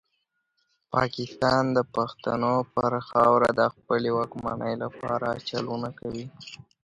پاکستان د پښتنو پر خاوره د خپلې واکمنۍ لپاره چلونه کوي.